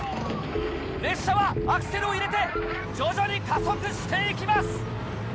列車はアクセルを入れて徐々に加速していきます！